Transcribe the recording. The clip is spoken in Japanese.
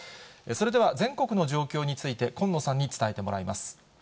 それでは全国の状況について、近野さんに伝えてもらいます。